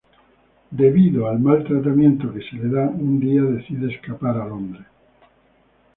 Debido al mal tratamiento que se le da, un día decide escapar a Londres.